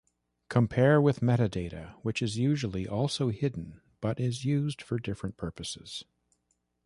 Compare with metadata, which is usually also hidden, but is used for different purposes.